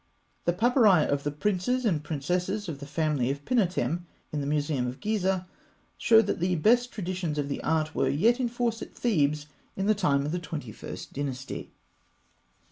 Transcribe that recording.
The papyri of the princes and princesses of the family of Pinotem in the Museum of Gizeh show that the best traditions of the art were yet in force at Thebes in the time of the Twenty first Dynasty.